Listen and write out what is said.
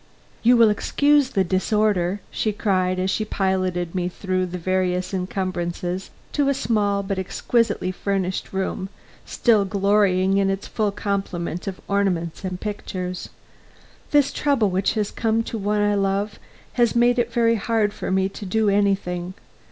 "You will excuse the disorder," she cried as she piloted me through these various encumbrances to a small but exquisitely furnished room still glorying in its full complement of ornaments and pictures. "This trouble which has come to one I love has made it very hard for me to do anything.